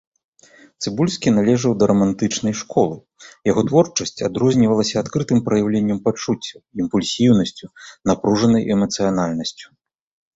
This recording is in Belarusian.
Цыбульскі належаў да рамантычнай школы, яго творчасць адрознівалася адкрытым праяўленнем пачуццяў, імпульсіўнасцю, напружанай эмацыянальнасцю.